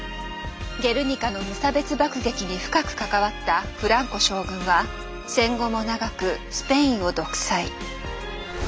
ゲルニカの無差別爆撃に深く関わったフランコ将軍は戦後も長くスペインを独裁。